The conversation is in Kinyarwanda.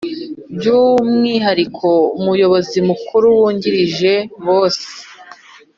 Byu umwihariko Umuyobozi Mukuru wungirije bosi